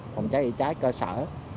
phòng cháy cháy cơ sở